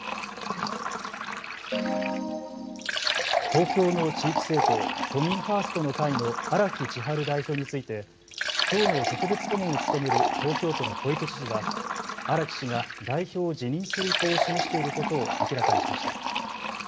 東京の地域政党、都民ファーストの会の荒木千陽代表について党の特別顧問を務める東京都の小池知事は荒木氏が代表を辞任する意向を示していることを明らかにしました。